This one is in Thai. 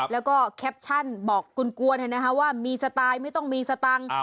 แล้วก็แคปชั่นบอกกลวนว่ามีสไตล์ไม่ต้องมีสตังค์